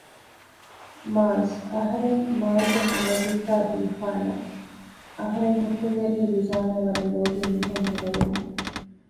މާޒް! އަހަރެން މާޒްއަށް މިވަޒީފާ ދީފާނަށް އަހަރެން ހުއްޓުންއެރީ ރިޒާނާ ވަރަށް ލޯބިން މިހެން ބުނެލުމުން